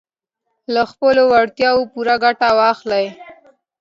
له خپلو وړتیاوو پوره ګټه واخلئ.